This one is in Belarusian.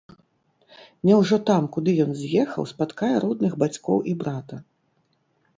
Няўжо там, куды ён з'ехаў, спаткае родных бацькоў і брата.